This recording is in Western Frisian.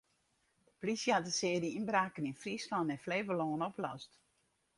De plysje hat in searje ynbraken yn Fryslân en Flevolân oplost.